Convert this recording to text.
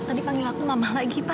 hai tadi panggil aku mama lagi pak